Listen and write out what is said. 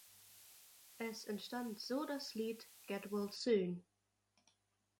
Es entstand so das Lied "get well soon".